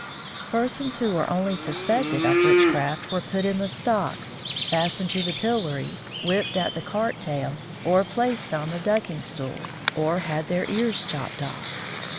Persons who were only suspected of witchcraft were put in the stocks, fastened to the pillory, whipped at the cart tail, or placed on the ducking stool, or had their ears chopped off.